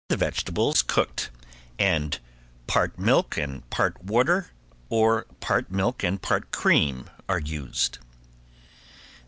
The vegetable is cooked and part milk and part water or part milk and part cream are used.